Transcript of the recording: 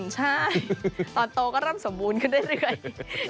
ใช่ตอนโตก็เริ่มสมบูรณ์ขึ้นเรื่อย